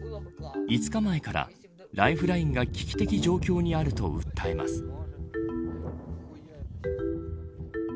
５日前からライフラインが危機的状況にあると訴えます。